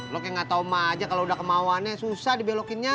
lo kayak gak tau maja kalau udah kemauannya susah dibelokinnya